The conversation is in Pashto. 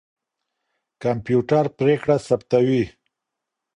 کمپيوټر پرېکړه ثبتوي.